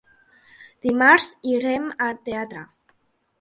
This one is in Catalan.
Dimarts irem al teatre.